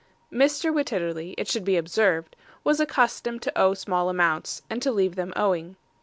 Mr. Wititterly, it should be observed, was accustomed to owe small accounts, and to leave them owing.